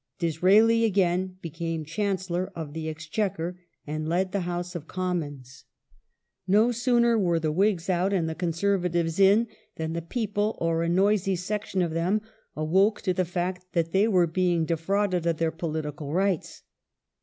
Disraeli again became Chancellor of_ the Exchequer and led the House of Commons. No sooner were the Whigs out and the Conservatives in than Popular the people, or a noisy section of them, awoke to the fact that ^^^y^^ tefonn were being defrauded of their political rights.